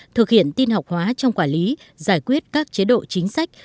thực hiện tin học hóa trong quản lý giải quyết các chế độ chính sách